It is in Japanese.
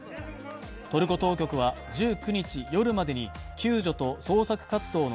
トルコ当局は、１９日夜までに救助と捜索活動の